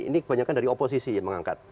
ini kebanyakan dari oposisi yang mengangkat